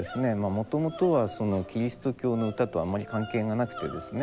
もともとはそのキリスト教の歌とあまり関係がなくてですね